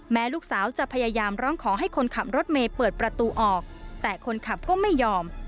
ลูกสาวจะพยายามร้องขอให้คนขับรถเมย์เปิดประตูออกแต่คนขับก็ไม่ยอม